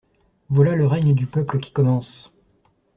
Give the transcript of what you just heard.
Voilà le règne du peuple qui commence.